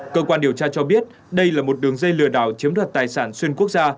cơ quan điều tra cho biết đây là một đường dây lừa đảo chiếm đoạt tài sản xuyên quốc gia